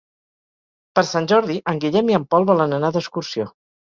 Per Sant Jordi en Guillem i en Pol volen anar d'excursió.